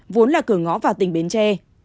vốn là cửa ngõ vào tỉnh bến tre